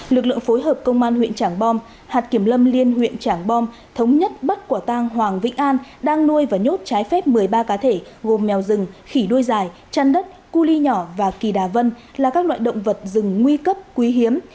lực lượng phối hợp công an huyện trảng bom hạt kiểm lâm liên huyện trảng bom thống nhất bắt quả tang hoàng vĩnh an đang nuôi và nhốt trái phép một mươi ba cá thể gồm mèo rừng khỉ đuôi dài chăn đất cu ly nhỏ và kỳ đà vân là các loại động vật rừng nguy cấp quý hiếm